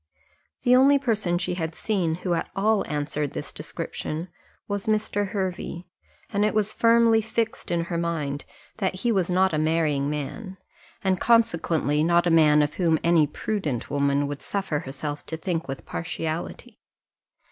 The only person she had seen, who at all answered this description, was Mr. Hervey; and it was firmly fixed in her mind, that he was not a marrying man, and consequently not a man of whom any prudent woman would suffer herself to think with partiality.